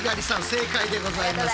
正解でございます。